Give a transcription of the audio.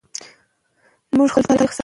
موږ د خپل تاریخ پاڼې نه ورکوو.